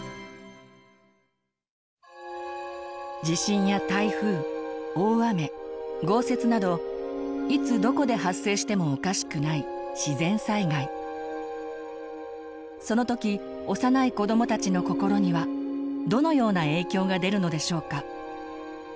地震や台風大雨豪雪などいつどこで発生してもおかしくないその時幼い子どもたちの心にはどのような影響が出るのでしょうか？